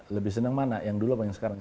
lebih senang mana yang dulu apa yang sekarang